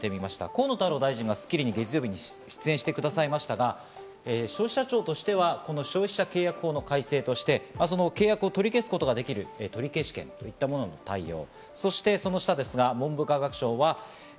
河野太郎大臣が『スッキリ』に月曜日出演してくださいましたが、消費者庁としてはこの消費者契約法の改正として、契約を取り消すことができる取消権、こういったものの対応。